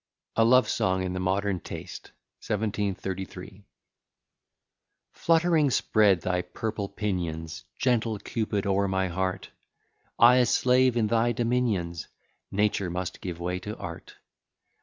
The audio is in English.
A LOVE SONG IN THE MODERN TASTE. 1733 Fluttering spread thy purple pinions, Gentle Cupid, o'er my heart: I a slave in thy dominions; Nature must give way to art.